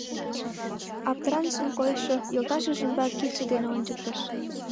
— Аптыранышын койшо йолташыж ӱмбак кидше дене ончыктыш.